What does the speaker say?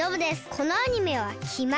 このアニメはきます。